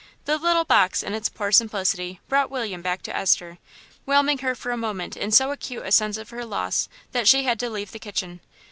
The little box in its poor simplicity brought William back to Esther, whelming her for a moment in so acute a sense of her loss that she had to leave the kitchen.